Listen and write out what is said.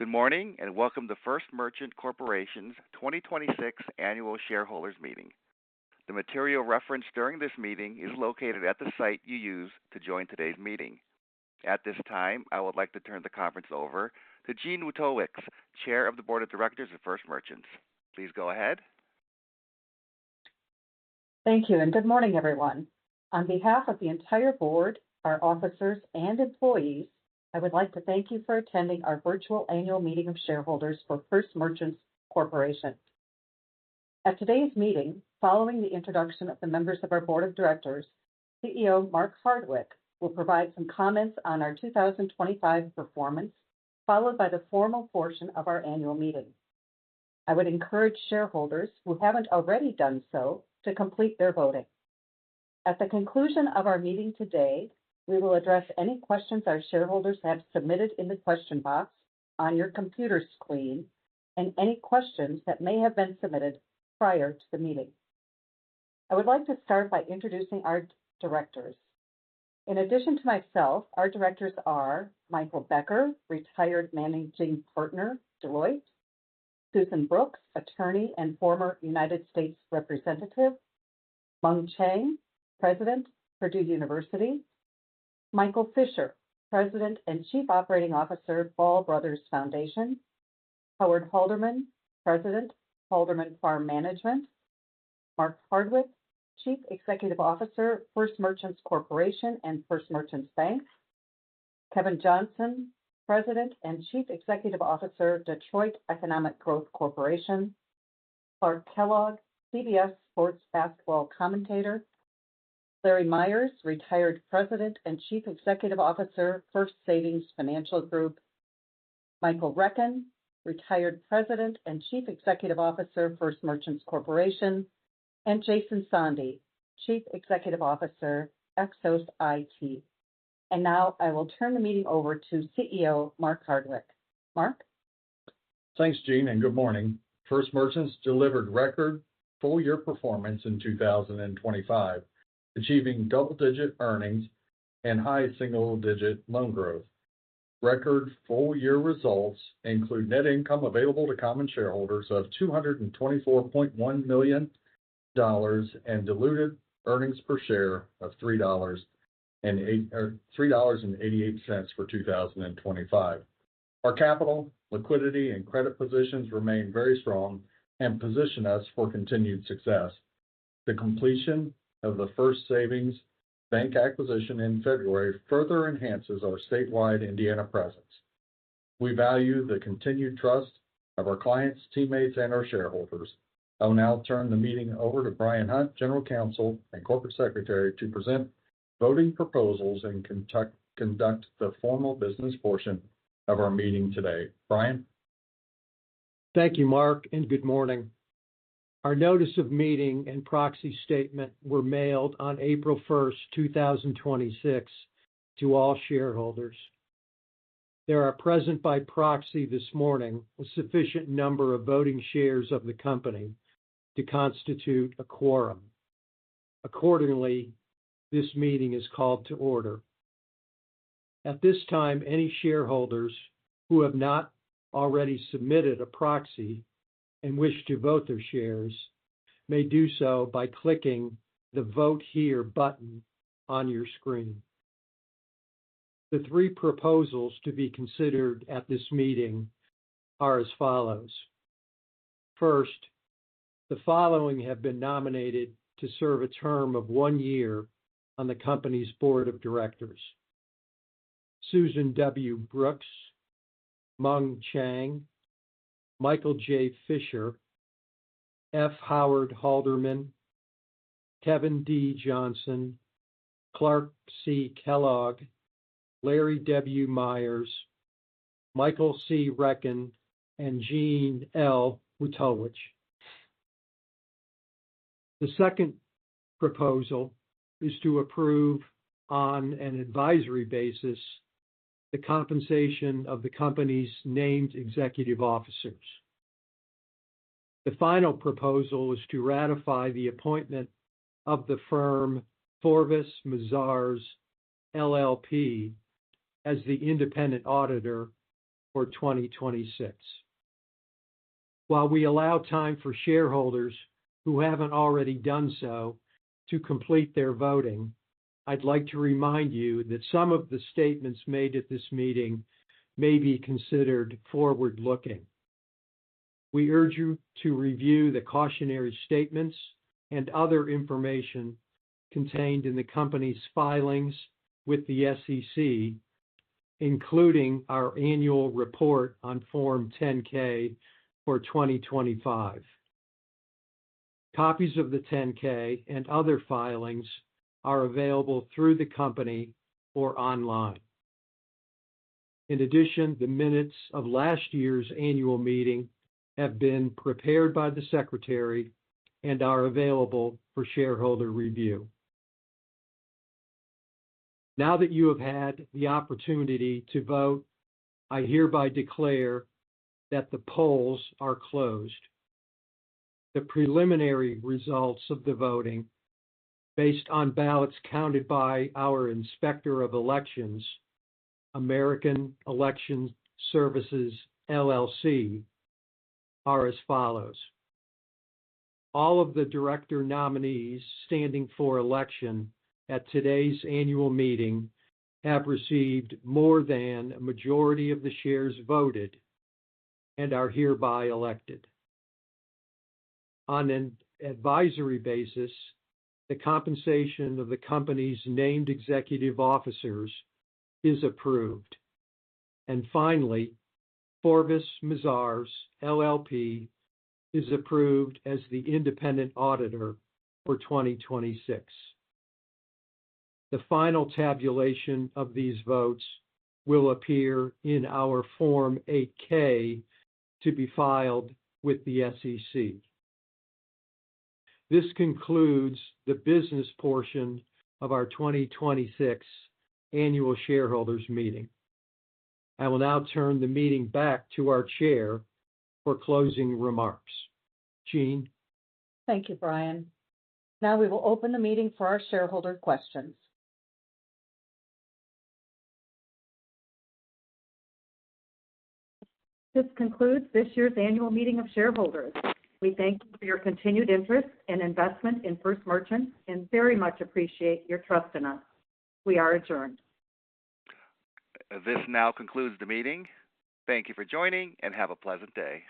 Good morning. Welcome to First Merchants Corporation's 2026 annual shareholders meeting. The material referenced during this meeting is located at the site you used to join today's meeting. At this time, I would like to turn the conference over to Jean Wojtowicz, Chair of the Board of Directors of First Merchants. Please go ahead. Thank you, good morning, everyone. On behalf of the entire Board, our officers, and employees, I would like to thank you for attending our virtual annual meeting of shareholders for First Merchants Corporation. At today's meeting, following the introduction of the members of our Board of Directors, CEO Mark Hardwick will provide some comments on our 2025 performance, followed by the formal portion of our annual meeting. I would encourage shareholders who haven't already done so to complete their voting. At the conclusion of our meeting today, we will address any questions our shareholders have submitted in the question box on your computer screen and any questions that may have been submitted prior to the meeting. I would like to start by introducing our directors. In addition to myself, our directors are Michael Becher, retired Managing Partner, Deloitte. Susan Brooks, attorney and former U.S. representative. Mung Chiang, President, Purdue University. Michael Fisher, President and Chief Operating Officer, Ball Brothers Foundation. Howard Halderman, President, Halderman Farm Management. Mark Hardwick, Chief Executive Officer, First Merchants Corporation and First Merchants Bank. Kevin Johnson, President and Chief Executive Officer, Detroit Economic Growth Corporation. Clark Kellogg, CBS Sports basketball commentator. Larry Myers, retired President and Chief Executive Officer, First Savings Financial Group. Michael Rechin, retired President and Chief Executive Officer, First Merchants Corporation. Jason Sondhi, Chief Executive Officer, Exos IT. Now I will turn the meeting over to CEO Mark Hardwick. Mark? Thanks, Jean. Good morning. First Merchants delivered record full-year performance in 2025, achieving double-digit earnings and high single-digit loan growth. Record full-year results include net income available to common shareholders of $224.1 million and diluted earnings per share of $3.88 for 2025. Our capital, liquidity, and credit positions remain very strong and position us for continued success. The completion of the First Savings Bank acquisition in February further enhances our statewide Indiana presence. We value the continued trust of our clients, teammates, and our shareholders. I will now turn the meeting over to Brian Hunt, General Counsel and Corporate Secretary, to present voting proposals and conduct the formal business portion of our meeting today. Brian? Thank you, Mark, and good morning. Our notice of meeting and proxy statement were mailed on April 1st, 2026, to all shareholders. There are present by proxy this morning a sufficient number of voting shares of the company to constitute a quorum. Accordingly, this meeting is called to order. At this time, any shareholders who have not already submitted a proxy and wish to vote their shares may do so by clicking the Vote Here button on your screen. The three proposals to be considered at this meeting are as follows. First, the following have been nominated to serve a term of one year on the company's board of directors. Susan W. Brooks, Mung Chiang, Michael J. Fisher, F. Howard Halderman, Kevin D. Johnson, Clark C. Kellogg, Larry W. Myers, Michael C. Rechin, and Jean L. Wojtowicz. The second proposal is to approve, on an advisory basis, the compensation of the company's named executive officers. The final proposal is to ratify the appointment of the firm Forvis Mazars, LLP as the independent auditor for 2026. While we allow time for shareholders who haven't already done so to complete their voting, I'd like to remind you that some of the statements made at this meeting may be considered forward-looking. We urge you to review the cautionary statements and other information contained in the company's filings with the SEC, including our annual report on Form 10-K for 2025. Copies of the 10-K and other filings are available through the company or online. In addition, the minutes of last year's annual meeting have been prepared by the secretary and are available for shareholder review. Now that you have had the opportunity to vote, I hereby declare that the polls are closed. The preliminary results of the voting, based on ballots counted by our inspector of elections, American Election Services, LLC, are as follows. All of the director nominees standing for election at today's annual meeting have received more than a majority of the shares voted and are hereby elected. On an advisory basis, the compensation of the company's named executive officers is approved. Finally, Forvis Mazars, LLP is approved as the independent auditor for 2026. The final tabulation of these votes will appear in our Form 8-K to be filed with the SEC. This concludes the business portion of our 2026 annual shareholders meeting. I will now turn the meeting back to our chair for closing remarks. Jean? Thank you, Brian. We will open the meeting for our shareholder questions. This concludes this year's annual meeting of shareholders. We thank you for your continued interest and investment in First Merchants and very much appreciate your trust in us. We are adjourned. This now concludes the meeting. Thank you for joining, and have a pleasant day.